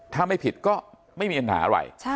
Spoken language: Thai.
ถ้าไม่ผิดก็ไม่มีปัญหาอะไร